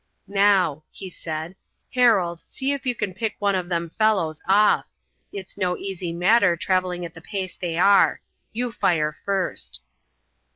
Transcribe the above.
"Now," he said, "Harold, see if you can pick one of them fellows off. It's no easy matter, traveling at the pace they are. You fire first."